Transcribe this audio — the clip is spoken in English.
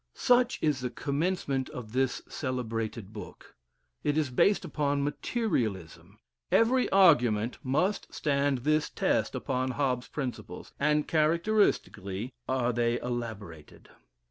* Such is the commencement of this celebrated book, it is based upon materialism; every argument must stand this test upon Hobbes's principles, and characteristically are they elaborated.